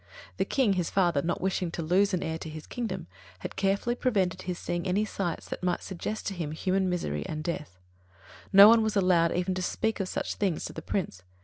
The King, his father, not wishing to lose an heir to his kingdom, had carefully prevented his seeing any sights that might suggest to him human misery and death. No one was allowed even to speak of such things to the Prince.